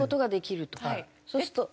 そうすると。